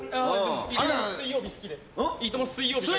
「いいとも！」の水曜日が好きで。